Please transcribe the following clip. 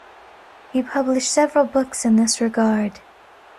He published several books in this regard.